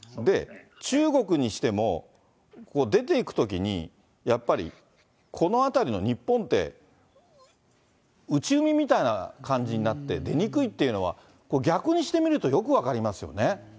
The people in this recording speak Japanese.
中国にしても、ここ出ていくときにやっぱりこの辺りの日本って、内海みたいな感じになって出にくいっていうのは、これ、逆にして見るとよく分かりますよね。